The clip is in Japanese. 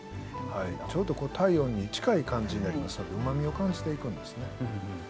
ちょうど体温に近い感じになりますのでうまみを感じていくんですね。